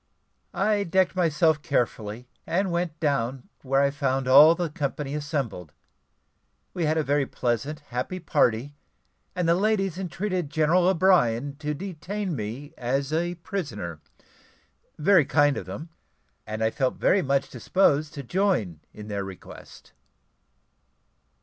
I decked myself carefully, and went down, where I found all the company assembled. We had a very pleasant, happy party, and the ladies entreated General O'Brien to detain me as a prisoner very kind of them and I felt very much disposed to join in their request.